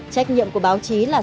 trách nhiệm của báo chí là